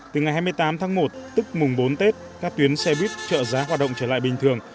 từ ngày hai mươi tám tháng một tức mùng bốn tết các tuyến xe buýt trợ giá hoạt động trở lại bình thường